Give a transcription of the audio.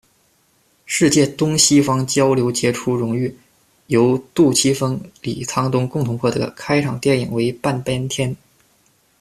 是届「东西方交流杰出荣誉」由杜琪峰、李沧东共同获得，开场电影为《半边天》。